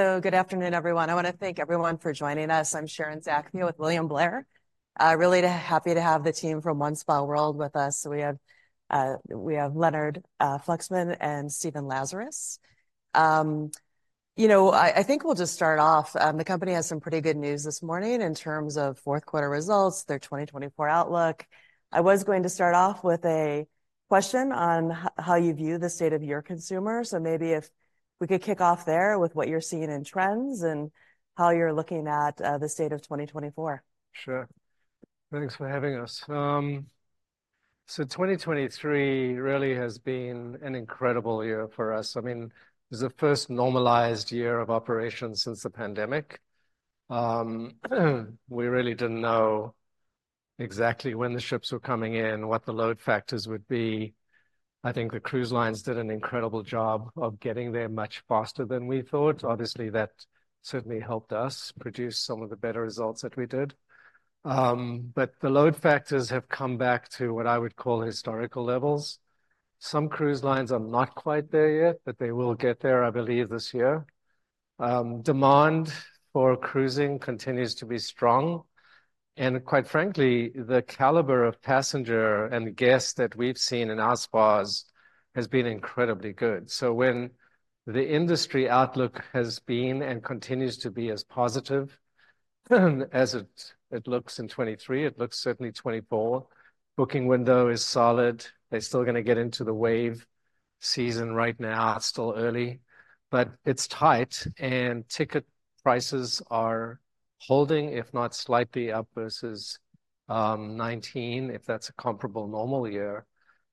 Good afternoon, everyone. I want to thank everyone for joining us. I'm Sharon Zackfia with William Blair. Really happy to have the team from OneSpaWorld with us. So we have Leonard Fluxman and Stephen Lazarus. You know, I think we'll just start off. The company has some pretty good news this morning in terms of fourth quarter results, their 2024 outlook. I was going to start off with a question on how you view the state of your consumer. So maybe if we could kick off there with what you're seeing in trends and how you're looking at the state of 2024. Sure. Thanks for having us. So, 2023 really has been an incredible year for us. I mean, it was the first normalized year of operation since the pandemic. We really didn't know exactly when the ships were coming in, what the load factors would be. I think the cruise lines did an incredible job of getting there much faster than we thought. Obviously, that certainly helped us produce some of the better results that we did. But the load factors have come back to what I would call historical levels. Some cruise lines are not quite there yet, but they will get there, I believe, this year. Demand for cruising continues to be strong, and quite frankly, the caliber of passenger and guests that we've seen in our spas has been incredibly good. So when the industry outlook has been and continues to be as positive as it looks in 2023, it looks certainly 2024, booking window is solid. They're still gonna get into the Wave Season right now. It's still early, but it's tight, and ticket prices are holding, if not slightly up, versus 2019, if that's a comparable normal year.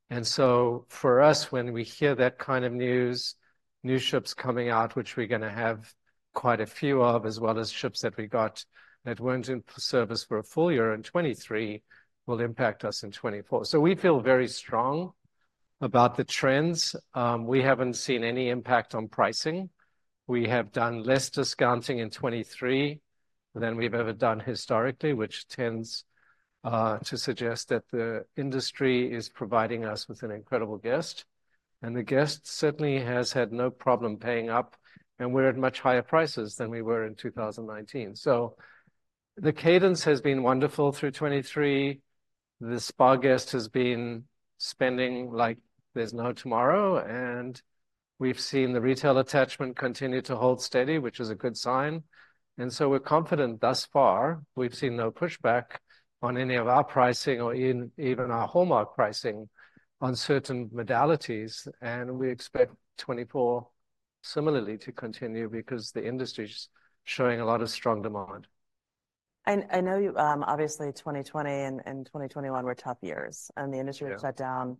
And so for us, when we hear that kind of news, new ships coming out, which we're gonna have quite a few of, as well as ships that we got that weren't in service for a full year in 2023, will impact us in 2024. So we feel very strong about the trends. We haven't seen any impact on pricing. We have done less discounting in 2023 than we've ever done historically, which tends to suggest that the industry is providing us with an incredible guest, and the guest certainly has had no problem paying up, and we're at much higher prices than we were in 2019. So the cadence has been wonderful through 2023. The spa guest has been spending like there's no tomorrow, and we've seen the retail attachment continue to hold steady, which is a good sign, and so we're confident thus far. We've seen no pushback on any of our pricing or even, even our hallmark pricing on certain modalities, and we expect 2024 similarly to continue because the industry's showing a lot of strong demand. I know, obviously, 2020 and 2021 were tough years, and the industry- Yeah... was shut down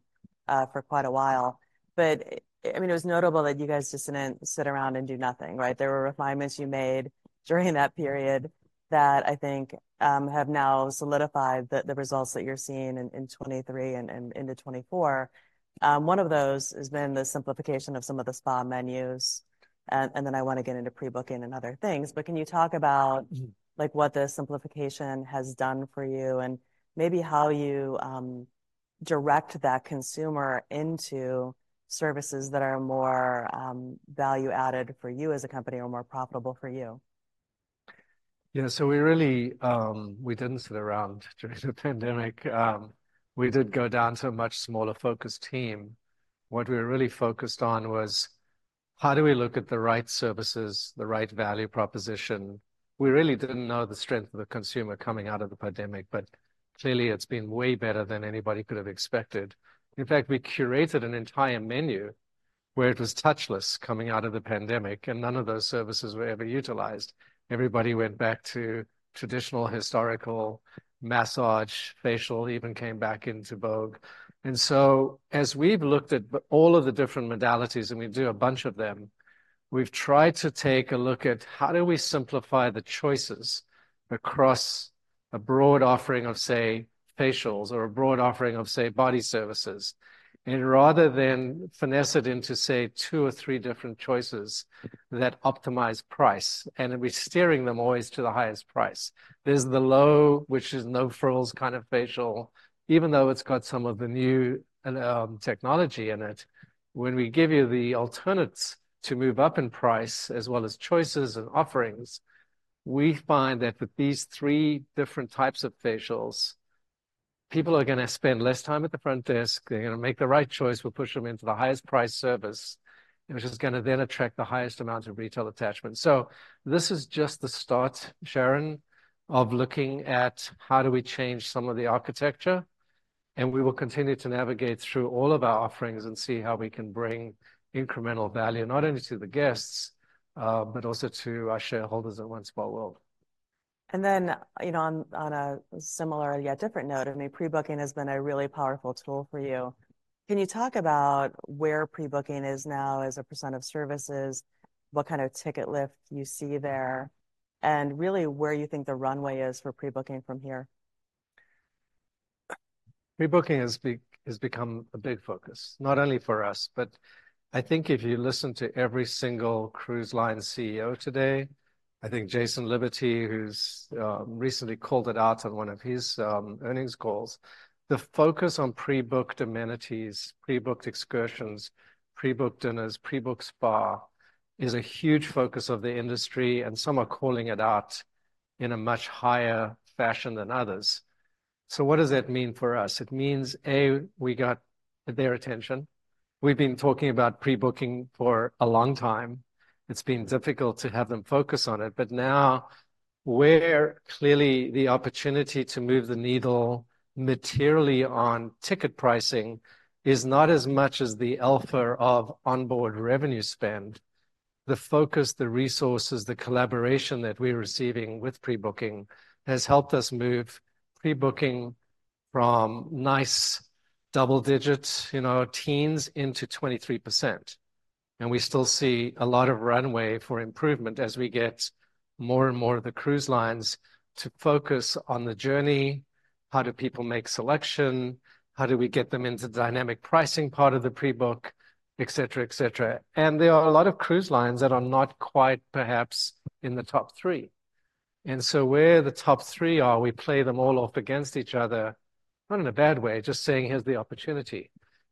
for quite a while. But, I mean, it was notable that you guys just didn't sit around and do nothing, right? There were refinements you made during that period that I think have now solidified the results that you're seeing in 2023 and into 2024. One of those has been the simplification of some of the spa menus, and then I want to get into pre-booking and other things. But can you talk about- Mm-hmm... like, what the simplification has done for you, and maybe how you direct that consumer into services that are more value-added for you as a company or more profitable for you? Yeah. So we really, we didn't sit around during the pandemic. We did go down to a much smaller focused team. What we were really focused on was: how do we look at the right services, the right value proposition? We really didn't know the strength of the consumer coming out of the pandemic, but clearly, it's been way better than anybody could have expected. In fact, we curated an entire menu where it was touchless coming out of the pandemic, and none of those services were ever utilized. Everybody went back to traditional, historical massage. Facial even came back into vogue. So as we've looked at all of the different modalities, and we do a bunch of them, we've tried to take a look at how do we simplify the choices across a broad offering of, say, facials, or a broad offering of, say, body services? And rather than finesse it into, say, two or three different choices that optimize price, and we're steering them always to the highest price. There's the low, which is no-frills kind of facial, even though it's got some of the new technology in it. When we give you the alternatives to move up in price, as well as choices and offerings, we find that with these three different types of facials, people are gonna spend less time at the front desk. They're gonna make the right choice. We'll push them into the highest priced service, which is gonna then attract the highest amount of retail attachment. This is just the start, Sharon, of looking at how do we change some of the architecture, and we will continue to navigate through all of our offerings and see how we can bring incremental value, not only to the guests, but also to our shareholders at OneSpaWorld. Then, you know, on a similar, yet different note, I mean, pre-booking has been a really powerful tool for you. Can you talk about where pre-booking is now as a percent of services, what kind of ticket lift you see there, and really, where you think the runway is for pre-booking from here? Pre-booking has become a big focus, not only for us, but I think if you listen to every single cruise line CEO today, I think Jason Liberty, who's recently called it out on one of his earnings calls. The focus on pre-booked amenities, pre-booked excursions, pre-booked dinners, pre-booked spa, is a huge focus of the industry, and some are calling it out in a much higher fashion than others. So what does that mean for us? It means, A, we got their attention. We've been talking about pre-booking for a long time. It's been difficult to have them focus on it, but now, where clearly the opportunity to move the needle materially on ticket pricing is not as much as the alpha of onboard revenue spend. The focus, the resources, the collaboration that we're receiving with pre-booking has helped us move pre-booking from nice double digits, you know, teens into 23%, and we still see a lot of runway for improvement as we get more and more of the cruise lines to focus on the journey, how do people make selection, how do we get them into the dynamic pricing part of the pre-book, et cetera, et cetera. And there are a lot of cruise lines that are not quite perhaps in the top three, and so where the top three are, we play them all off against each other. Not in a bad way, just saying, "Here's the opportunity."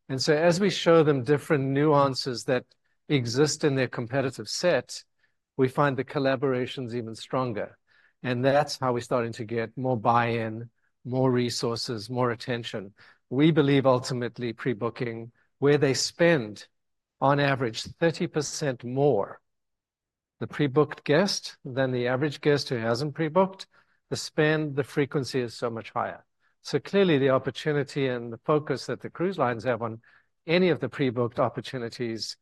And so as we show them different nuances that exist in their competitive set, we find the collaboration's even stronger, and that's how we're starting to get more buy-in, more resources, more attention. We believe, ultimately, pre-booking, where they spend on average 30% more, the pre-booked guest than the average guest who hasn't pre-booked, the spend, the frequency is so much higher. So clearly, the opportunity and the focus that the cruise lines have on any of the pre-booked opportunities,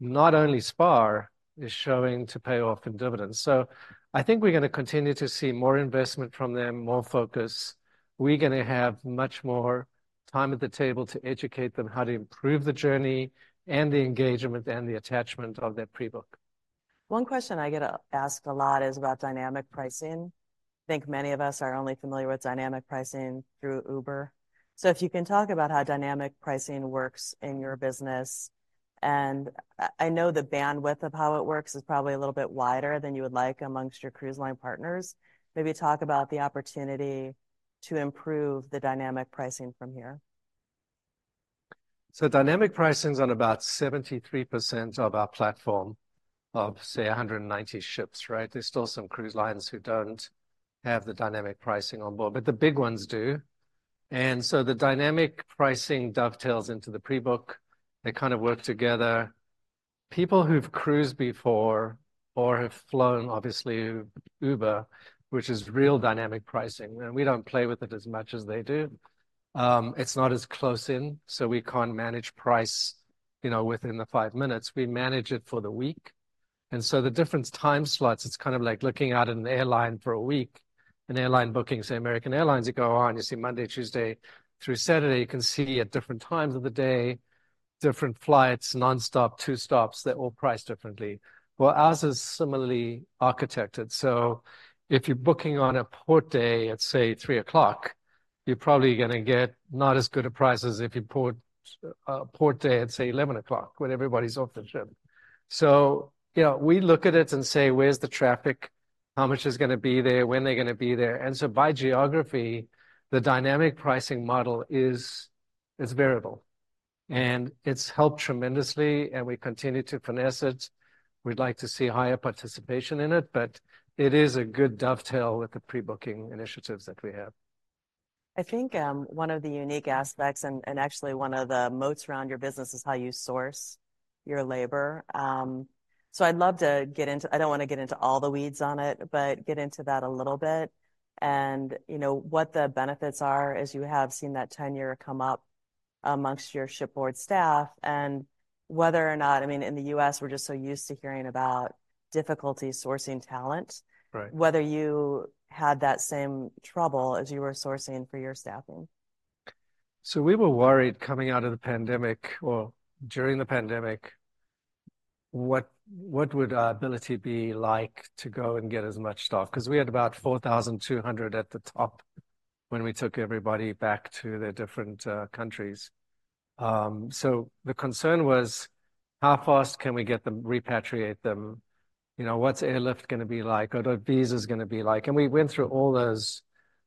not only spa, is showing to pay off in dividends. So I think we're going to continue to see more investment from them, more focus. We're going to have much more time at the table to educate them how to improve the journey and the engagement and the attachment of their pre-book. One question I get asked a lot is about dynamic pricing. I think many of us are only familiar with dynamic pricing through Uber. So if you can talk about how dynamic pricing works in your business, and I know the bandwidth of how it works is probably a little bit wider than you would like among your cruise line partners. Maybe talk about the opportunity to improve the dynamic pricing from here. So dynamic pricing is on about 73% of our platform, of, say, 190 ships, right? There's still some cruise lines who don't have the dynamic pricing on board, but the big ones do. And so the dynamic pricing dovetails into the pre-book. They kind of work together. People who've cruised before or have flown, obviously, Uber, which is real dynamic pricing, and we don't play with it as much as they do. It's not as close in, so we can't manage price, you know, within the five minutes. We manage it for the week, and so the different time slots, it's kind of like looking at an airline for a week, an airline booking, say, American Airlines. You go on, you see Monday, Tuesday through Saturday, you can see at different times of the day, different flights, nonstop, two stops, they're all priced differently. Well, ours is similarly architected. So if you're booking on a port day at, say, 3:00 P.M., you're probably going to get not as good a price as if it's a port day at, say, 11:00 A.M., when everybody's off the ship. So, you know, we look at it and say: Where's the traffic? How much is going to be there? When are they going to be there? And so by geography, the dynamic pricing model is variable. And it's helped tremendously, and we continue to finesse it. We'd like to see higher participation in it, but it is a good dovetail with the pre-booking initiatives that we have. I think, one of the unique aspects, and, and actually one of the moats around your business, is how you source your labor. So I'd love to get into—I don't want to get into all the weeds on it, but get into that a little bit. And, you know, what the benefits are, as you have seen that tenure come up amongst your shipboard staff, and whether or not... I mean, in the U.S., we're just so used to hearing about difficulty sourcing talent- Right. whether you had that same trouble as you were sourcing for your staffing. So we were worried coming out of the pandemic, or during the pandemic, what would our ability be like to go and get as much staff? Because we had about 4,200 at the top when we took everybody back to their different countries. So the concern was: How fast can we get them, repatriate them? You know, what's airlift going to be like, or the visas going to be like? And we went through all those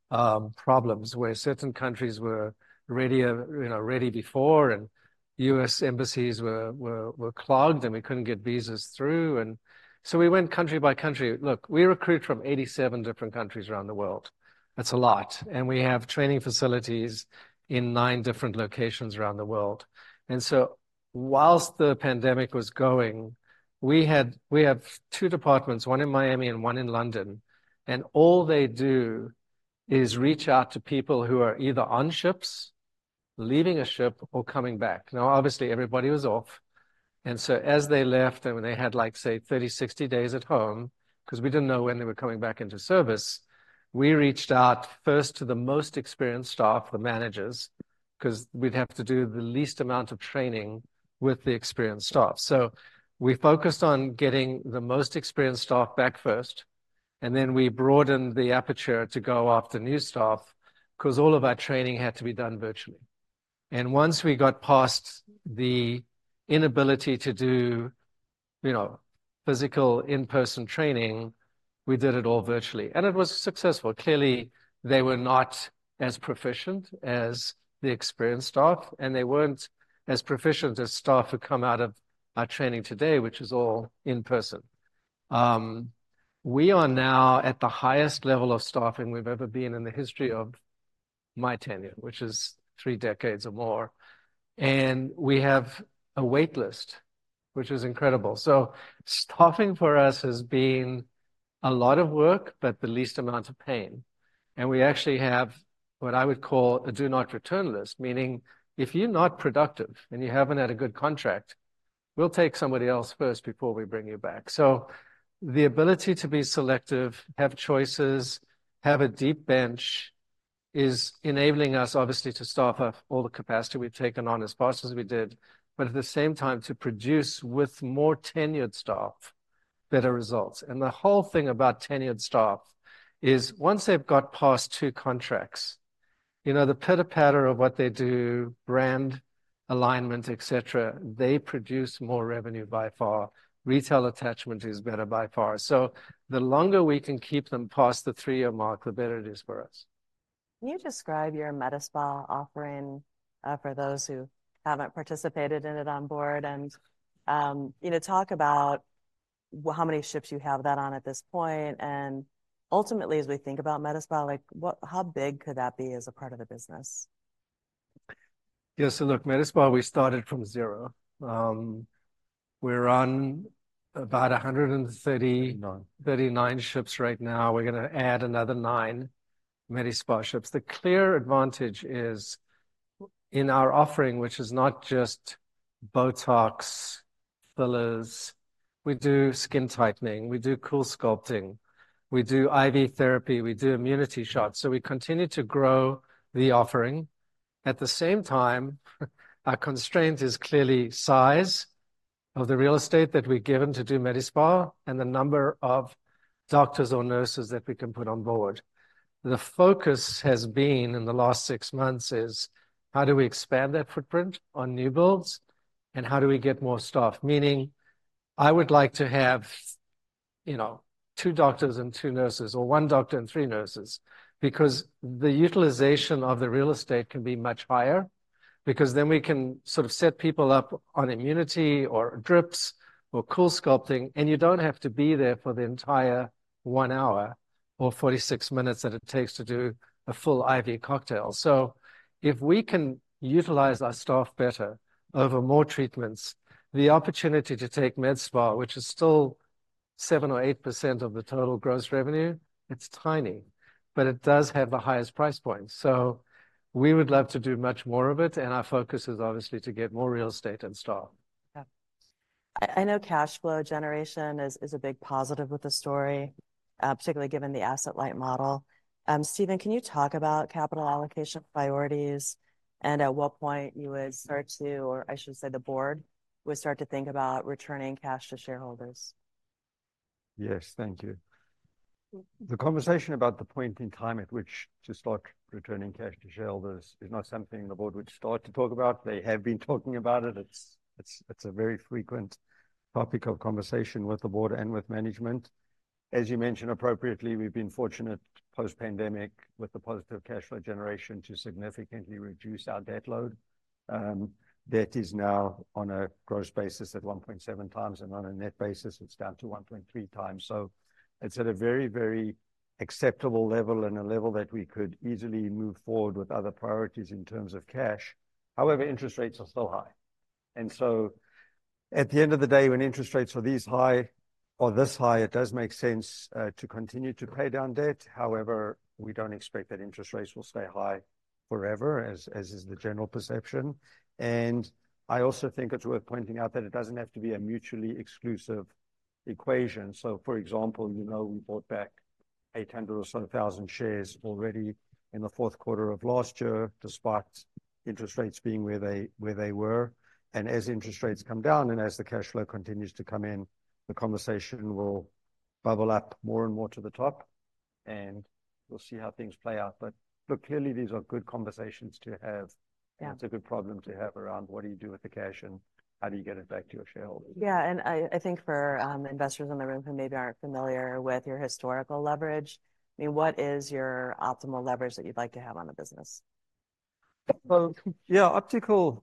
problems, where certain countries were ready, you know, ready before, and U.S. embassies were clogged, and we couldn't get visas through, and so we went country by country. Look, we recruit from 87 different countries around the world. That's a lot, and we have training facilities in nine different locations around the world. While the pandemic was going, we have two departments, one in Miami and one in London, and all they do is reach out to people who are either on ships, leaving a ship, or coming back. Now, obviously, everybody was off, and so as they left and when they had, like, say, 30, 60 days at home, because we didn't know when they were coming back into service, we reached out first to the most experienced staff, the managers, because we'd have to do the least amount of training with the experienced staff. So we focused on getting the most experienced staff back first, and then we broadened the aperture to go after new staff, because all of our training had to be done virtually. Once we got past the inability to do, you know, physical in-person training, we did it all virtually, and it was successful. Clearly, they were not as proficient as the experienced staff, and they weren't as proficient as staff who come out of our training today, which is all in person. We are now at the highest level of staffing we've ever been in the history of my tenure, which is three decades or more, and we have a waitlist, which is incredible. So staffing for us has been a lot of work, but the least amount of pain, and we actually have what I would call a do-not-return list. Meaning, if you're not productive and you haven't had a good contract, we'll take somebody else first before we bring you back. So the ability to be selective, have choices, have a deep bench, is enabling us, obviously, to staff up all the capacity we've taken on as fast as we did, but at the same time, to produce with more tenured staff, better results. And the whole thing about tenured staff is, once they've got past two contracts, you know, the pitter-patter of what they do, brand alignment, et cetera, they produce more revenue by far. Retail attachment is better by far. So the longer we can keep them past the three-year mark, the better it is for us. Can you describe your med spa offering, for those who haven't participated in it on board, and, you know, talk about how many ships you have that on at this point, and ultimately, as we think about med spa, like how big could that be as a part of the business? Yeah, so look, med spa, we started from zero. We're on about 130... Nine. 39 ships right now. We're gonna add another nine med spa ships. The clear advantage is in our offering, which is not just Botox, fillers. We do skin tightening, we do CoolSculpting, we do IV therapy, we do immunity shots, so we continue to grow the offering. At the same time, our constraint is clearly size of the real estate that we're given to do med spa and the number of doctors or nurses that we can put on board. The focus has been, in the last six months, is: how do we expand that footprint on new builds, and how do we get more staff? Meaning, I would like to have, you know, two doctors and two nurses, or one doctor and three nurses, because the utilization of the real estate can be much higher, because then we can sort of set people up on immunity, or drips, or CoolSculpting, and you don't have to be there for the entire one hour or 46 minutes that it takes to do a full IV cocktail. So if we can utilize our staff better over more treatments, the opportunity to take med spa, which is still 7% or 8% of the total gross revenue, it's tiny, but it does have the highest price point. So we would love to do much more of it, and our focus is obviously to get more real estate and staff. Yeah. I know cash flow generation is a big positive with the story, particularly given the asset-light model. Stephen, can you talk about capital allocation priorities and at what point you would start to, or I should say, the board, would start to think about returning cash to shareholders? Yes, thank you. The conversation about the point in time at which to start returning cash to shareholders is not something the board would start to talk about. They have been talking about it. It's a very frequent topic of conversation with the board and with management. As you mentioned appropriately, we've been fortunate post-pandemic, with the positive cash flow generation, to significantly reduce our debt load. Debt is now on a gross basis at 1.7x, and on a net basis, it's down to 1.3x. So it's at a very, very acceptable level and a level that we could easily move forward with other priorities in terms of cash. However, interest rates are still high, and so at the end of the day, when interest rates are this high or this high, it does make sense to continue to pay down debt. However, we don't expect that interest rates will stay high forever, as is the general perception. And I also think it's worth pointing out that it doesn't have to be a mutually exclusive equation. So, for example, you know, we bought back 800,000 or so shares already in the fourth quarter of last year, despite interest rates being where they were. And as interest rates come down and as the cash flow continues to come in, the conversation will bubble up more and more to the top, and we'll see how things play out. But look, clearly, these are good conversations to have. Yeah. It's a good problem to have around, what do you do with the cash and how do you get it back to your shareholders? Yeah, I think for investors in the room who maybe aren't familiar with your historical leverage, I mean, what is your optimal leverage that you'd like to have on the business? Well, yeah, optimal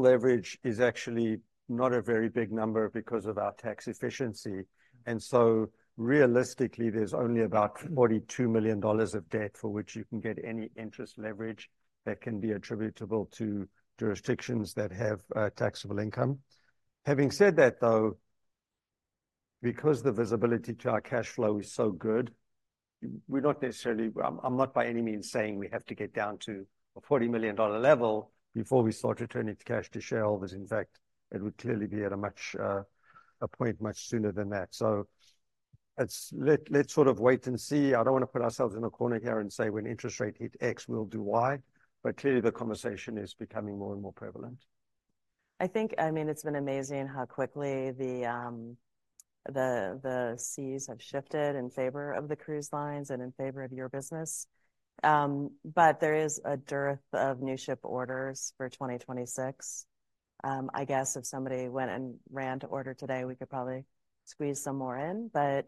leverage is actually not a very big number because of our tax efficiency, and so realistically, there's only about $42 million of debt for which you can get any interest leverage that can be attributable to jurisdictions that have taxable income. Having said that, though, because the visibility to our cash flow is so good, we're not necessarily—I'm not by any means saying we have to get down to a $40 million level before we start returning cash to shareholders. In fact, it would clearly be at a much a point much sooner than that. So let's sort of wait and see. I don't wanna put ourselves in a corner here and say, "When interest rate hit X, we'll do Y," but clearly, the conversation is becoming more and more prevalent.... I think, I mean, it's been amazing how quickly the seas have shifted in favor of the cruise lines and in favor of your business. But there is a dearth of new ship orders for 2026. I guess if somebody went and ran to order today, we could probably squeeze some more in. But,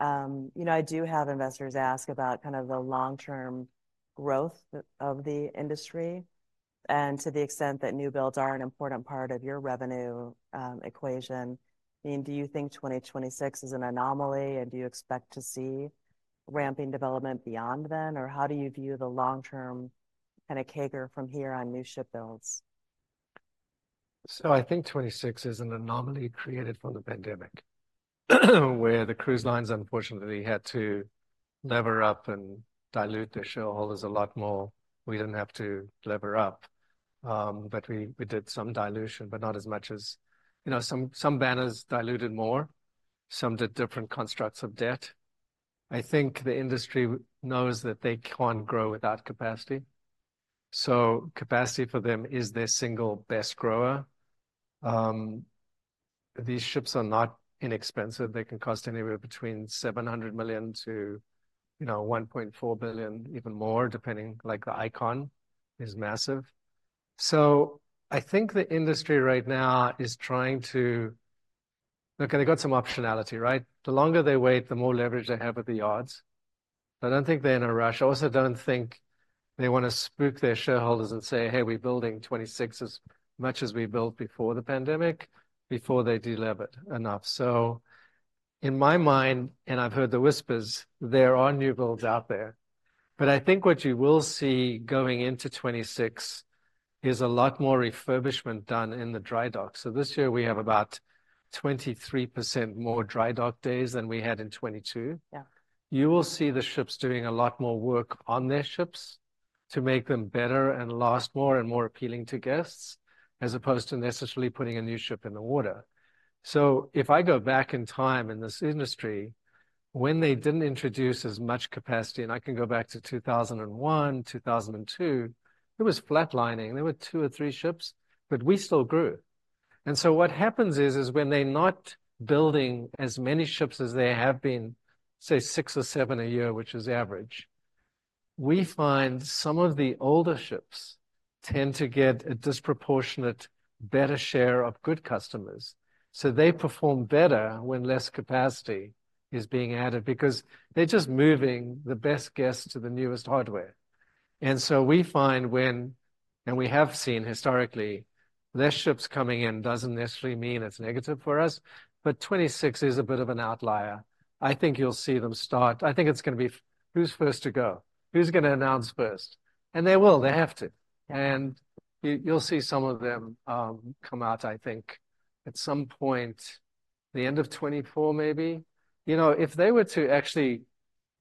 you know, I do have investors ask about kind of the long-term growth of the industry, and to the extent that new builds are an important part of your revenue equation. I mean, do you think 2026 is an anomaly, and do you expect to see ramping development beyond then? Or how do you view the long-term kind of CAGR from here on new ship builds? So I think 2026 is an anomaly created from the pandemic, where the cruise lines unfortunately had to lever up and dilute their shareholders a lot more. We didn't have to lever up, but we, we did some dilution, but not as much as, you know. Some, some banners diluted more, some did different constructs of debt. I think the industry knows that they can't grow without capacity, so capacity for them is their single best grower. These ships are not inexpensive. They can cost anywhere between $700 million to $1.4 billion, even more, depending, like the Icon is massive. So I think the industry right now is trying to. Look, they've got some optionality, right? The longer they wait, the more leverage they have at the yards. I don't think they're in a rush. I also don't think they want to spook their shareholders and say: "Hey, we're building 2026 as much as we built before the pandemic," before they delevered enough. So in my mind, and I've heard the whispers, there are new builds out there. But I think what you will see going into 2026 is a lot more refurbishment done in the dry dock. So this year we have about 23% more dry dock days than we had in 2022. Yeah. You will see the ships doing a lot more work on their ships to make them better and last more and more appealing to guests, as opposed to necessarily putting a new ship in the water. So if I go back in time in this industry, when they didn't introduce as much capacity, and I can go back to 2001, 2002, it was flatlining. There were two or three ships, but we still grew. And so what happens is when they're not building as many ships as there have been, say, six or seven a year, which is average, we find some of the older ships tend to get a disproportionate better share of good customers. So they perform better when less capacity is being added, because they're just moving the best guests to the newest hardware. And so we find when, and we have seen historically, less ships coming in doesn't necessarily mean it's negative for us, but 2026 is a bit of an outlier. I think you'll see them start, I think it's going to be, who's first to go? Who's going to announce first? And they will, they have to. Yeah. You'll see some of them come out, I think, at some point, the end of 2024, maybe. You know, if they were to actually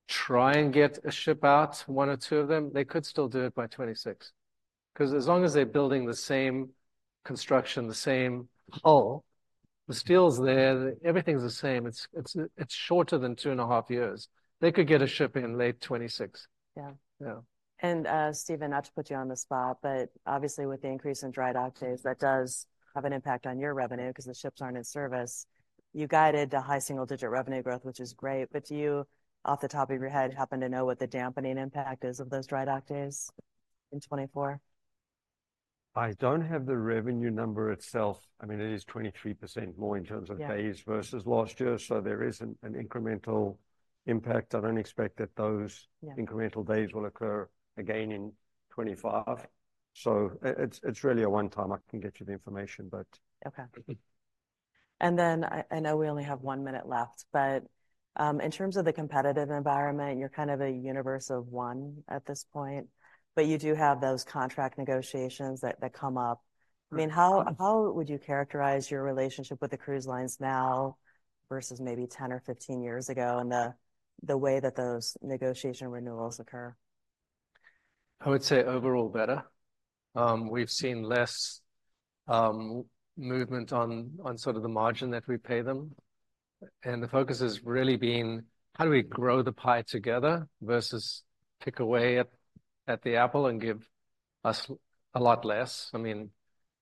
try and get a ship out, one or two of them, they could still do it by 2026. Because as long as they're building the same construction, the same hull, the steel's there, everything's the same, it's shorter than 2.5 years. They could get a ship in in late 2026. Yeah. Yeah. Stephen, not to put you on the spot, but obviously, with the increase in dry dock days, that does have an impact on your revenue because the ships aren't in service. You guided to high single-digit revenue growth, which is great, but do you, off the top of your head, happen to know what the dampening impact is of those dry dock days in 2024? I don't have the revenue number itself. I mean, it is 23% more in terms of- Yeah... days versus last year, so there is an incremental impact. I don't expect that those- Yeah... incremental days will occur again in 2025. So it's, it's really a one-time. I can get you the information, but- Okay. Then, I know we only have one minute left, but in terms of the competitive environment, you're kind of a universe of one at this point, but you do have those contract negotiations that come up. I mean, how would you characterize your relationship with the cruise lines now versus maybe 10 or 15 years ago, and the way that those negotiation renewals occur? I would say overall better. We've seen less movement on sort of the margin that we pay them, and the focus has really been: How do we grow the pie together versus pick away at the apple and give us a lot less? I mean,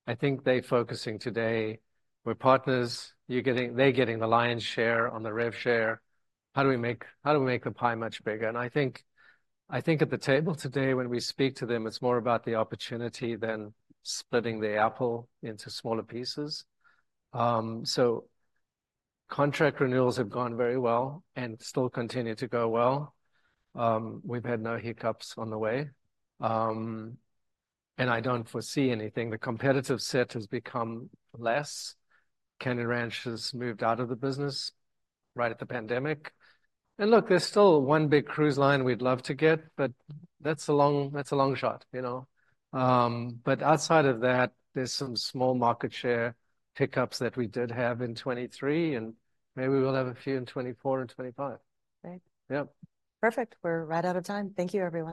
I think they're focusing today, we're partners, you're getting—they're getting the lion's share on the rev share. How do we make the pie much bigger? And I think at the table today, when we speak to them, it's more about the opportunity than splitting the apple into smaller pieces. So contract renewals have gone very well and still continue to go well. We've had no hiccups on the way, and I don't foresee anything. The competitive set has become less. Canyon Ranch has moved out of the business right at the pandemic. And look, there's still one big cruise line we'd love to get, but that's a long, that's a long shot, you know? But outside of that, there's some small market share pickups that we did have in 2023, and maybe we'll have a few in 2024 and 2025. Great. Yep. Perfect. We're right out of time. Thank you, everyone.